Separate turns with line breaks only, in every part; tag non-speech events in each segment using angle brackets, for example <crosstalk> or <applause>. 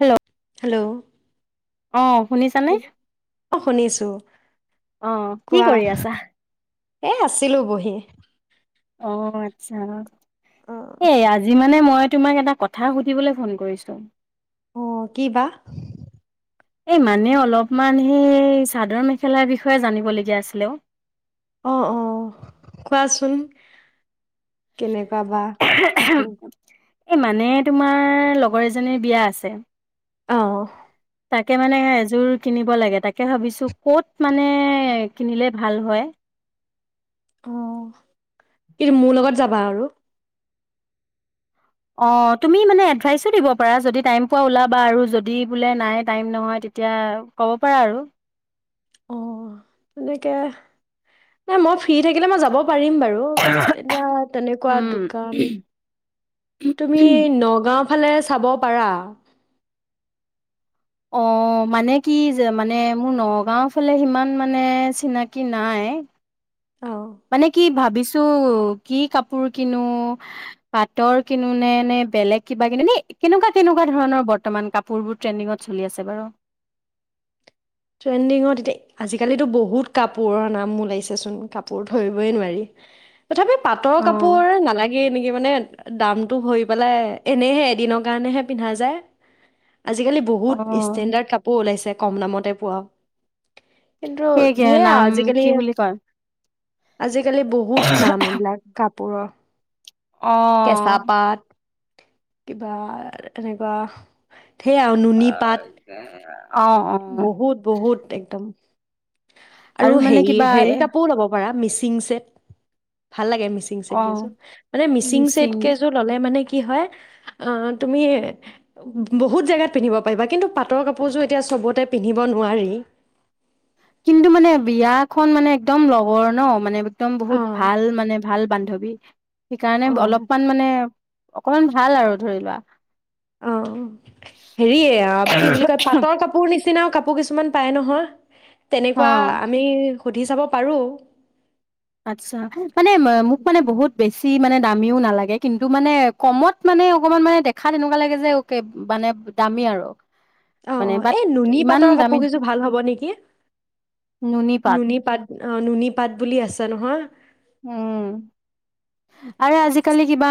Hello.
Hello.
অ'। শুনিছানে?
অ শুনিছো
অ', কি
কোৱা
কৰি আছাহ?
এ, আছিলো বহি।
অ', আচ্ছা।
অ
এ, আজি মানে মই তোমাক এটা কথা সুধিবলৈ ফোন কৰিছো।
অ', কি বা?
এই মানে অলপমান সেই চাদৰ-মেখেলাৰ বিষয়ে জানিবলগীয়া আছিলে অ'।
অ', অ', কোৱাচোন? কেনে?
<unintelligible> এই মানে তোমাৰ লগৰ এজনীৰ বিয়া আছে।
অহ।
তাকে মানে এযোৰ কিনিব লাগে তাকে ভাবিছোঁ ক'ত মানে কিনিলে ভাল হয়।
অ'। কিন্তু মোৰ লগত যাবা আৰু।
আহ তুমি মানে এডভাইচো দিব পাৰা যদি টাইম পোৱা ওলাবা আৰু যদি বোলে নাই টাইম নহয় তেতিয়া ক'ব পাৰা আৰু।
অ তেনেকে নাই মই ফ্ৰী থাকিলে মই যাব পাৰিম বাৰু এতিয়া তেনেকুৱা দোকান তুমি
উম
নগাও ফালে চাব পাৰা
অ মানে কি যে মানে মোৰ নগাঁও ফালে সিমান মানে চিনাকি নাই।
অ
মানে কি ভাবিছ কি কাপোৰ কিনো পাটৰ কিনোনে নে বেলেগ কিবা কিনো নে কেনেকুৱা কেনেকুৱা ধৰণৰ বৰ্তমান কাপোৰ বোৰ ট্ৰেণ্ডিঙত চলি আছে বাৰু?
ট্ৰেণ্ডিঙত এতিয়া আজিকালিতো বহুত কাপোৰৰ নাম ওলাইছেচোন কাপোৰ ধৰিবই নোৱাৰি। তথাপি পাটৰ
অ'।
কাপোৰ নালাগে নেকি মানে দামটো ভৰি পেলাই এনেইহে এদিনৰ কাৰণেহে পিন্ধা যায়। আজিকালি বহুত
অ',
ষ্টেণ্ডাৰ্ড কাপোৰ ওলাইছে। কম দামতে পোৱা কিন্তু
সেই কি
ধেয়া
নাম
আজিকালি
কি বুলি কয়
আজিকালি বহুত নাম এইবিলাক কাপ পোৰা,
অঁহ।
কিবা এনেকুৱা সেয়া আৰু
অ',
নুনী পাত।
অ',
বহুত-বহুত একদম। আৰু
মানে কিবা এ
হেৰি-হেৰি কাপোৰ ল'ব পাৰা মিছিং। <unintelligible> চেত ভাল লাগে মিচিং ছেট
অ',
কেইযোৰ, মানে মিচিং ছেট কেইযোৰ ল'লে, মানে কি হয়। অ' তুমি বহুত জেগাত পিন্ধিব পাৰিবা। কিন্তু, পাটৰ কাপোৰযোৰ তেতিয়া চবতে পিন্ধিব নোৱাৰি।
কিন্তু মানে বিয়াখন মানে একদম লগৰ ন, মানে একদম বহুত
অ',
ভাল মানে ভাল বান্ধৱী। সেইকাৰণে
অ'।
অলপমান মানে অকমান ভাল আৰু ধৰি লোৱা।
অ' হেৰিয়ে কি বুলি কয় পাটৰ কাপোৰ নিচিনাও কাপোৰ কিছুমান পায় নহয়। আহ। <unintelligible> তেনেকুৱা
অ
আমি সুধি চাব পাৰোঁ।
আচ্ছা', মানে মোক মানে বহুত বেছি। বেছি মানে দামীও নালাগে কিন্তু মানে কমত মানে অকমান মানে দেখা এনেকুৱা লাগে যে, মানে দামী আৰু। মানে
অ-অ
বাট
এই নুনী
ইমান
পাটৰ
দামী
কাপোৰ কেইযোৰ ভাল হ'ব নেকি? নুনী পাট অ' নুনী পাট বুলি আছে নহয়।
উম', আৰু আজিকালি কিবা,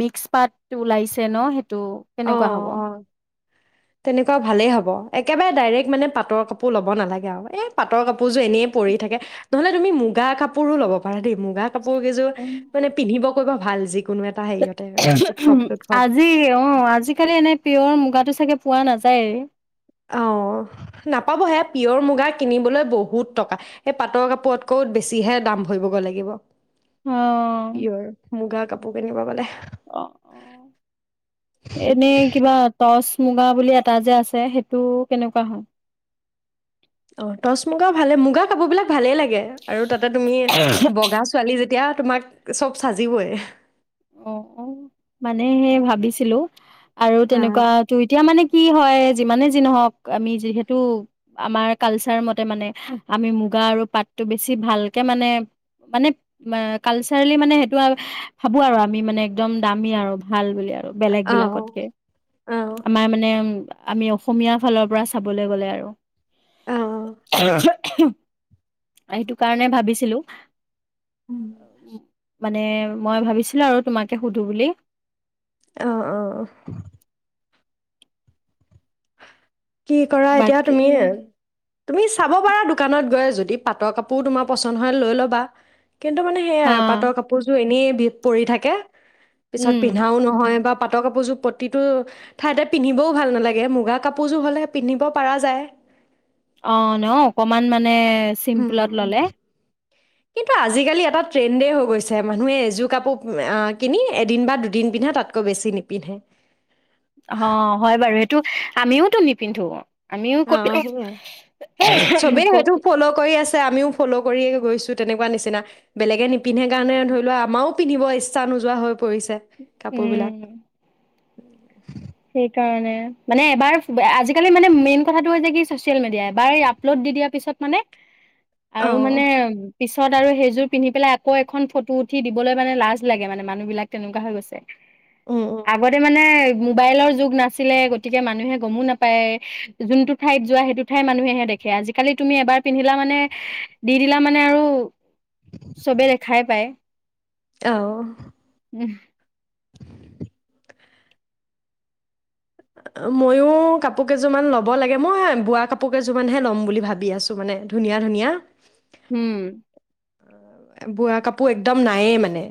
মিক্স পাত ওলাইছে ন, সেই
অ-অ, তেনেকুৱা ভালেই হ'ব। এক একেবাৰে ডাইৰেক্ট মানে পাটৰ কাপোৰ ল'ব নালাগে আৰু এই পাটৰ কাপোৰযোৰ এনেই পৰি থাকে, নহ'লে তুমি মুগা কাপোৰো ল'ব পাৰা দেই মুগা। কাপোৰ কেইযোৰ, মানে পিন্ধিব কৰবা ভাল জিক কোনো এটা হেৰিয়তে উৎসৱ- সৎসৱ,
আজি কালি এনে পিয়ৰ মুগাটো চাগে পোৱা নাযায়ে।
অ, নাপাবহে পিয়ৰ মুগা কিনিবলৈ বহুত টকা সেই পাটৰ কাপোৰতকৈ বেছিহে দাম ভৰিবগৈ লাগিব।
অ
পিয়ৰ, মুগা কাপোৰ। কিনিব গলে,
অ-অ এনে কিবা টচ, মুগা বুলি এটা যে আছে সেইটো, কেনেকুৱা হয়।
অ টচ মুগা ভালে মুগা কাপোৰ বিলাক ভালেই লাগে। আৰু তাতে তুমি বগা ছোৱালী যেতিয়া। তোমাক চব সাজিবই।
অ অ মানে সে ভাবিছিলো। আৰু
অঁ
তেনেকুৱা টো এতিয়া মানে কি? হয় যিমানে যি নহওক আমি যিহেতু, আমাৰ কালচাৰ মতে মানে আমি মুগা আৰু পাতটো বেছি ভালকে মানে, মানে, কালচাৰেলি মানে সেইটো আৰু। ভাবোঁ আৰু আমি মানে, একদম দামী আৰু ভাল বুলি। আৰু আৰু বেলেগ
অঁ
বিলাকতকে
অঁ
আমাৰ মানে উ আমি অসমীয়াৰ ফালৰ পৰা চাবলৈ গলে আৰু,
অঁ
সেইটো কাৰণে ভাবিছিলো।
উম।
<inaudible> মানে মই ভাবিছিলো আৰু তোমাকে সুধো বুলি।
অহ অহ। কি কৰা এতিয়া
বাকী
তুমিয়ে। তুমি চাব পাৰা দোকানত গৈ যদি পাটৰ কাপোৰ তোমাৰ পচন্দ হয় লৈ ল'বা। কিন্তু মানে সেয়াই
হা
আৰু পাটৰ কাপোৰযোৰ এনেই। ভিত পৰি থাকে। পিছত
উম
পিন্ধাও নহয়। বা পাটৰ কাপোৰযোৰ প্ৰতিটো, ঠাইতে পিন্ধিবও ভাল নালাগে মুগা কাপোৰ। পুযোৰ হ'লে পিন্ধিব পাৰা যায়।
অ ন অকমান মানে। চিম্পুলত
উম।
ললে।
কিন্তু আজিকালি এটা ট্ৰেণ্ডেই হৈ গৈছে মানুহে এযোৰ কাপোৰ আ কিনি এদিন বা দুদিন পিন্ধে তাতকৈ বেছি নিপিন্ধে।
অ হয় বাৰু সেইটো আমিও টো নিপিন্ধো। আমিও
অ
ক'ত
সেইয়াই, সেই চবেই
ক'ত
সেইটো ফ'ল' কৰি আছে আমিও- ফ'ল কৰিয়ে গৈছো তেনেকুৱা নিচিনা, বেলেগে নিপিন্ধে কাৰণে ধৰি লোৱা আমাৰও পিন্ধিব ইচ্ছা নোযোৱা হৈ পৰিছে কাপোৰ বিলাক।
উম
<unintelligible>
সেইকাৰণে মানে এবাৰ আজিকালি মানে মেইন কথাটো হৈছে কি চচিয়েল মিডিয়া এবাৰ আপলোড দি দিয়াৰ পিছত মানে
অ
আৰু মানে পিছত আৰু সেইযোৰ পিন্ধি পেলাই আকৌ এখন ফটো উঠি দিবলৈ মানে লাজ লাগে মানে মানুহ বিলাক তেনেকুৱা হৈ গৈছে।
উম উম
আগতে মানে মোবাইলৰ যুগ নাছিলে গতিকে মানুহে গমো নাপায় যোনটো ঠাইত যোৱা সেইটো ঠাইত মানুহেহে দেখে আজিকালি তুমি এবাৰ পিন্ধিলা মানে দি দিলা মানে আৰু চবে দেখাই পায়।
আহ।
উম।
ময়ো কাপোৰ কেইযোৰমান ল'ব লাগে, মই বোৱা কাপোৰ কেইযোৰমানহে ল'ম বুলি ভাবি আছো মানে ধুনীয়া ধুনীয়া।
উম।
বোৱা কাপোৰ একদম নায়েই মানে।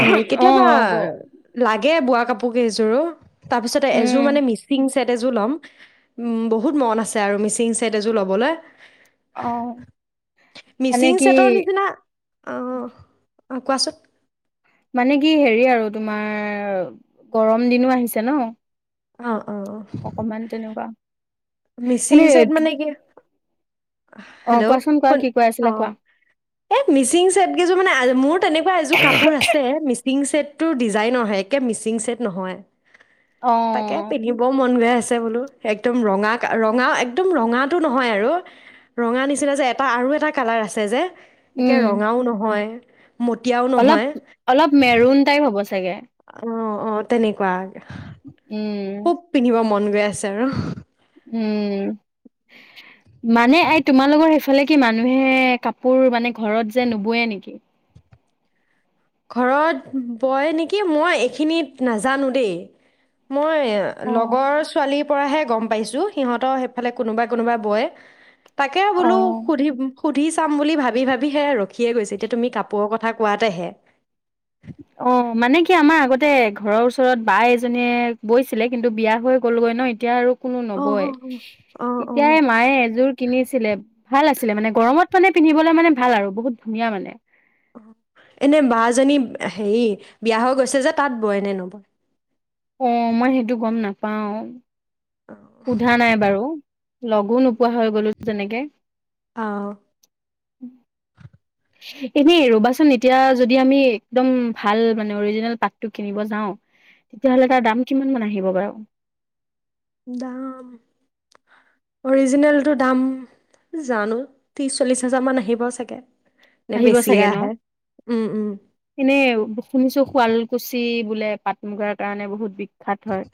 সেই
অ
কেতিয়াবা
গ
লাগে লাগে বোৱা কাপোৰ কেইযোৰো তাৰপিছতে
উম
এযোৰ মানে মিচিং ছেট এযোৰ ল'ম বহুত মন আছে আৰু মিচিং ছেট এযোৰ ল'বলৈ।
অহ মানে
মিচিং
কি? আহ।
অহ কোৱাচোন।
মানে কি হেৰি আৰু তোমাৰ গৰম দিনো আহিছে ন।
অহ।
অকমান তেনেকুৱা।
মিচিং
এনে
চেইড মানে কি?
অ
হেল্ল'
কোৱাচোন কোৱা
শুন
কি কৈ
অ
আছিলা কোৱা
এই মিচিং চেট কেইযোৰ মানে মোৰ তেনেকুৱা এযোৰ কাপোৰ আছে মি তিং চেট টো ডিজাইনৰ হে একে মিচিং ছেট নহয়।
অ
তাকে পিন্ধিবও মন গৈ আছে। বোলো একদম ৰঙা ৰঙা একদম ৰঙাটো নহয় আৰু ৰঙা নিচিনা যে এটা আৰু এটা কালাৰ আছে যে। একে
উম
ৰঙাও নহয়। মটীয়াও
অলপ
নহয়
অলপ মেৰুন টাইপ হ'ব চ চাগে।
অহ অহ তেনেকুৱা।
<inaudible>
খুব পিন্ধিব মন। গৈ আছে আৰু।
উম, মানে আই, তোমালোকৰ সেইফালে মানুহে কাপোৰ মানে ঘৰত যে নুবোৱে নেকি?
ঘৰত বয় নেকি, মই এইখিনিত নাজানো দেই। মই
অ',
লগৰ ছোৱালী- পৰাহে গম পাইছোঁ, সিহঁতৰ সেইফালে কোনোবা কোনোবা বয়। তাকে বোলো
অ'।
সুধি সুধি চাম বুলি ভাবি ভাবি সেয়াই ৰখি খিয়ে গৈছে এতিয়া তুমি কাপোৰ কথা কোৱাতেহে
অ', মানে কি, আমাৰ আগতে ঘৰৰ ওচৰত বা এজনীয়ে বৈছিলে, কিন্তু বিয়া হৈ গ'লগৈ ন। এতিয়া আৰু কোনো
অঁ
নবয়।
অঁ অঁ অঁ অঁ
তেতিয়াই মায়ে এযোৰ। কিনিছিলে। ভাল আছিলে মানে গৰমত মানে পিন্ধিবলৈ মানে ভাল। আৰু বহুত ধুনীয়া মানে।
এনে বা, জনি হেৰি, বিয়া হৈ গৈছে যে। তাত বয় নে নবয়।
অহ, মই সেইটো গম নাপাওঁ।
অঁ
সোধা নাই বাৰু। লগো নোপোৱা হৈ গ'লো তেনেকে।
অ',
<inaudible> এনেই ৰবাচোন। এতিয়া যদি আমি একদম ভাল মানে অৰিজিনেল পাতটো কিনিব যাওঁ তেতিয়াহ'লে তাৰ দাম কিমান মান আহিব <inaudible>
দাম অৰিজিনেলটো দাম জানো, ত্ৰিশ চল্লিশ হাজাৰ মান আহিব চাগে। নে
আহিব
বেছিয়ে
চাগে নহ,
আহে উম উম
এনে শুনিছো শুৱাল কুচি। বোলে পাট- মুগাৰ কাৰণে বহুত। বিখ্যাত হয়।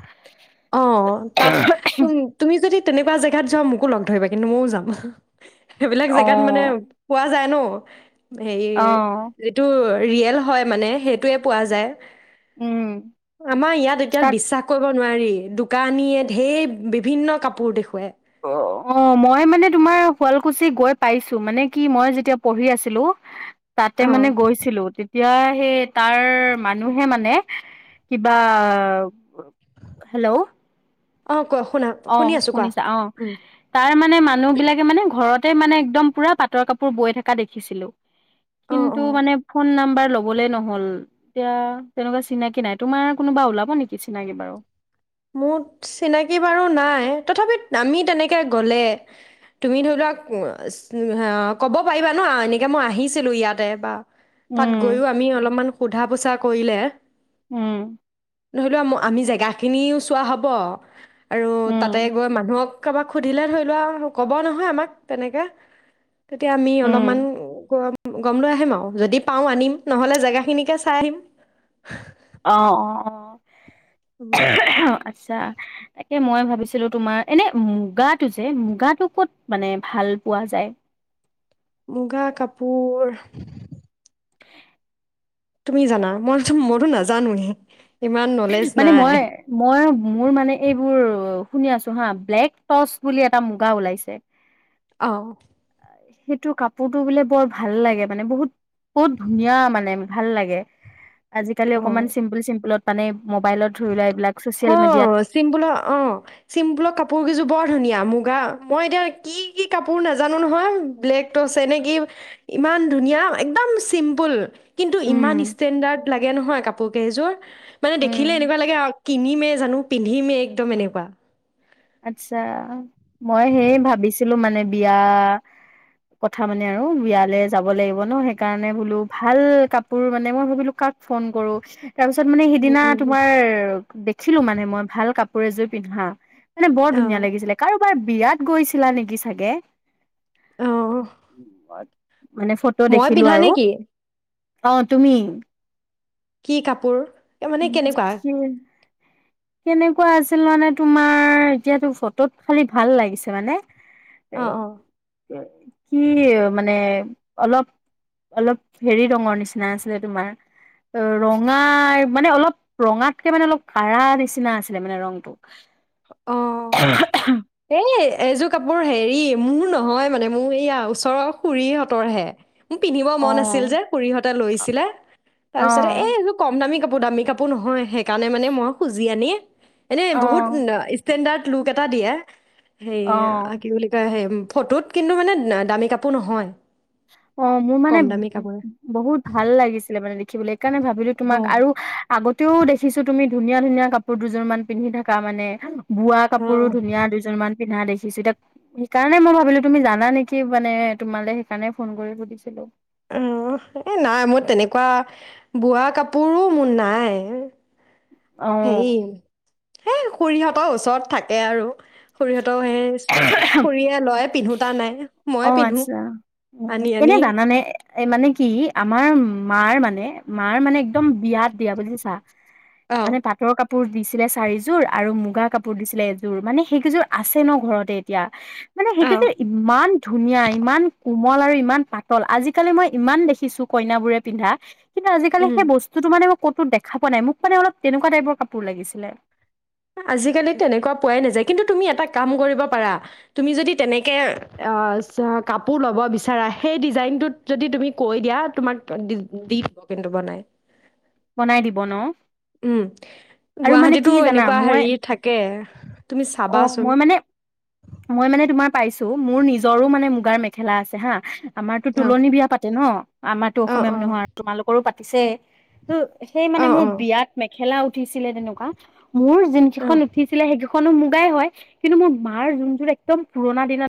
অহ, তাত তুমি যদি তেনেকুৱা জেগাত যোৱা মোকো লগ। ধৰিবা। কিন্তু মইও যাম। সেইবিলাক জেগাত মানে
অ',
পোৱা যায় নহ। <inaudible> হেৰি
অ',
যিটো। ৰিয়েল হয় মানে। সেইটোৱে পোৱা যায়।
উম,
আমাৰ ইয়াত এতিয়া
তাত
বি কৰিব নোৱাৰি। দোকানীয়ে ঢেৰ বিভিন্ন কাপোৰ দেখুৱায়।
অ, অ, মই মানে তোমাৰ শুৱালকুছি গৈ পাইছো। মানে কি মই যেতিয়া পঢ়ি আছিলো। তাতে
অ',
মানে গৈছিলো এতিয়া সেই তাৰ মানুহে মানে কিবা, হেল্ল,
অহ ক
অ শুনিছা, অ তাৰ মানে মানুহ বিলাকে মানে ঘৰত তে মানে একদম পুৰা পাটৰ কাপোৰ বৈ থকা দেখিছিলো
অ',
কিন্তু
অ'।
মানে ফোন নাম্বাৰ লবলে নহল, এতিয়া তেনেকুৱা চিনাকি নাই, তোমাৰ কোনোবা ওলাব নেকি চিনাকি বাৰু?
মোৰ চিনাকি বাৰু নাই, তথাপি আমি তেনেকৈ গ'লে, তুমি ধৰি লোৱা অ ক'ব পাৰিবা ন এনেকৈ মই আহিছিলো ইয়াতে বা তাত গৈও
উম,
আমি অলপমান সোধা পোছা কৰিলে
উম
ধৰি লোৱা ম আমি জেগা খিনিও চোৱা হ'ব আৰু তাতে
উম,
গৈ মানুহক কাবাক সুধিলে ধৰি লোৱা ক'ব নহয় আমাক তেনেকে তেতিয়া আমি অলপমান
উম।
গম গম লৈ আহিম আৰু যদি পাওঁ আনিম, নহ'লে জেগাখিনিকে চাই আহিম
অ অ অ
উম
আচ্ছা, তাকে মই ভাবিছিলো তোমাৰ, এনে মুগাটো যে মুগাটো ক'ত, মানে ভাল পোৱা যায়
মুগা কাপুৰ তুমি জানা, মই মইতো নাজানোয়ে
মানে মই, মই মোৰ মানে এইবোৰ, শুনি আছো হা ব্লেক টচ বুলি এটা মুগা ওলাইছে
অহ
সেইটো কাপোৰটো বোলে বৰ ভাল লাগে মানে বহুত, বহুত ধুনীয়া মানে ভাল লাগে আজিকালি
অ
অকণমান চিম্পুল চিম্পুলত মানে মোবাইলত ধৰি লোৱা এইবিলাক ছচিয়েল
অ
মিডিয়াত
চিম্পুলৰ অ চিম্পুলৰ কাপোৰ কেইযোৰ বৰ ধুনীয়া মুগা মই এতিয়া কি কি কাপোৰ নাজানো নহয়, ব্লেক টচে নে কি ইমান ধুনীয়া একদম চিম্পুল কিন্তু
উম
ইমান ষ্টেণ্ডাৰ্ড লাগে নহয় কাপোৰ কেইযোৰ মানে দেখিলে
উম
এনেকুৱা লাগে কিনিমেই জানো পিন্ধিমেই একদম এনেকুৱা
আচ্ছা, মই সেই ভাবিছিলো মানে বিয়া, কথা মানে আৰু বিয়ালে যাব লাগিব ন সেইকাৰণে বোলো ভাল কাপোৰ মানে মই ভাবিলো কাক ফোন কৰো তাৰপিছত মানে
উম
সিদিনা
উম উম
তোমাৰ, দেখিলো মানে মই ভাল কাপ কৰে এযোৰ পিন্ধা মানে বৰ
অ
ধুনীয়া লাগিছিলে কাৰ বাৰ বিয়াত গৈছিলা নেকি চাগে?
অ
<unintelligible> মানে ফটো
মই
দেখিলো
পিন্ধা
আৰু।
নেকি
অ', তুমি।
কি কাপোৰ? এ, মানে কেনেকুৱা
<unintelligible> কেনেকুৱা আছিল মানে তোমাৰ, এতিয়াতো ফটোত খালি ভাল লাগিছে মানে। এ
অ অ
কি মানে অলপ অলপ হেৰি ৰঙৰ নিচিনা আছিলে তোমাৰ ৰঙাৰ মানে অলপ ৰঙাতকে মানে অলপ কাঢ়া নিচিনা আছিলে মানে ৰংটো।
অ', এই এযোৰ কাপোৰ হেৰি মোৰ নহয় মানে মোৰ এইয়া ওচৰৰ খুুৰীহঁতৰ হে। মোৰ পিন্ধিব
অ
মন আছিল যে খুৰীহঁতে লৈছিলে তাৰ
অ
পিছতে এই এইযোৰ কম দামী কাপো কাপোৰ দামী কাপোৰ নহয় <unintelligible> সেইকাৰণে মানে মই খুজি আনি এনেই
অ
বহুত ইচষ্টেণ্ডাৰ্ড লুক এটা দিয়ে। হেইয়া
অ
আ কি বুলি কৈ আহিম ফটোত কিন্তু মানে দামী কাপোৰ নহয়।
অ', মোৰ মানে
কম দামী কাপোৰ
বহুত ভাল লাগিছিলে মানে দেখিবলৈ সেইকাৰণে ভাবিলো
অ
তোমাক আৰু আগত ও দেখিছোঁ তুমি ধুনীয়া ধুনীয়া কাপোৰ দুযোৰমান পিন্ধি থাকা মানে। বোৱা
অ
কাপোৰো ধুনীয়া দুযোৰমান পিন্ধা দেখিছোঁ এতিয়া সেইকাৰণে মই ভাবিলো তুমি জানা নেকি মানে তোমালে। সেইকাৰণে ফোন কৰি সুধিছিলো।
<unintelligible> এই নাই মোৰ তেনেকুৱা বোৱা কাপোৰো মোৰ নাই।
অ',
হেয়ি। হেই খুৰীহঁতৰ ওচৰত থাকে আৰু। খুৰীহঁতও সেই খুৰীয়ে লয় পিন্ধো টা নাই ময়ে
অ',
পিন্ধো
আতচা
আনি আনি
এনে জানানে? এ মানে কি আমাৰ মাৰ মানে। মাৰ মানে একদম বিয়াত দিয়া বুজিছা
অ
মানে পাটৰ কাপো কাপোৰ দিছিলে চাৰিযোৰ আৰু মুগা কাপোৰ দিছিলে এযোৰ মানে সেইকেইযোৰ আছে ন ঘৰতে এতিয়া। মানে
অহ
সেইকেইযোৰ ইমান ইমান কোমল আৰু ইমান পাতল, আজিকালি মই ইমান দেখিছো কইনাবোৰে পিন্ধা কিন্তু আজিকালি
উম
সেই বস্তুটো মানে ক'তো দেখা পোৱা নাই, মোক মানে অলপ তেনেকুৱা টাইপৰ কাপোৰ লাগিছিলে
আজিকালি তেনেকুৱা পোৱাই নাযায়। কিন্তু তুমি এটা কাম কৰিব পাৰা তুমি যদি তেনেকে কাপোৰ লব বিচাৰা সেই ডিজাইনটোত যদি তুমি কৈ দিয়া তোমাক দি দিব কিন্তু বনাই।
বনাই দিব ন?
উম
আৰু মানে
গুৱাহাটীতো
কি জানা?
<unintelligible>
মই
হেৰি থাকে। তুমি
অ
চাবাচোন
মই মানে মই মানে তোমাৰ পাইছো। মোৰ নিজৰো মানে মুগাৰ মেখেলা আছে হা। আমাৰতো
অ
তুলনী বিয়া পাতে ন। আমাৰতো
অ
অসমীয়া
অ
মানুহ আৰু তোমালোকৰো পাতে। পিছে সেই মানে
অ
মোৰ
অ
বিয়াত মেখেলা উঠিছিলে তেনেকুৱা। মোৰ যোন
অ
কেইখন উঠিছিলে সেই খনো মুগাই হয়, কিন্তু মোৰ মা মাৰ যোন যোৰ একদম পুৰণ দিনত